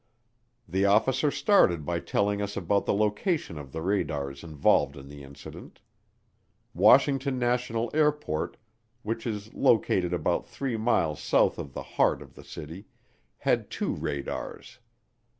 The officer started by telling us about the location of the radars involved in the incident. Washington National Airport, which is located about three miles south of the heart of the city, had two radars.